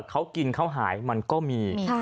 เขากินเขาหายมันก็มี